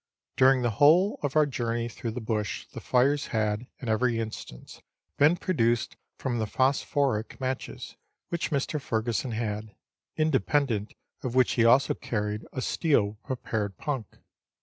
During the whole of our journey through the bush the fires had, in every instance, been produced from the phosphoric matches, which Mr. Furgesson had ; independent of which he also carried a steel with prepared punk.